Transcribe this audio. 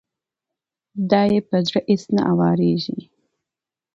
دا يې په زړه اېڅ نه اوارېږي.